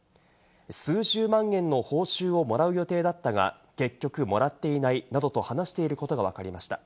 数十万円の報酬をもらう予定だったが、結局もらっていないなどと話していることがわかりました。